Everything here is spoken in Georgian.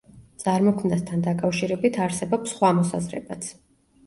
წარმოქმნასთან დაკავშირებით არსებობს სხვა მოსაზრებაც.